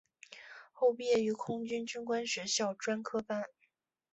后毕业于空军军官学校专科班。